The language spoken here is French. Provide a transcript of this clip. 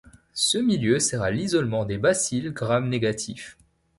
Ce milieu sert à l'isolement des bacilles Gram négatif.